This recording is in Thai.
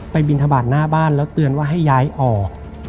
บินทบาทหน้าบ้านแล้วเตือนว่าให้ย้ายออก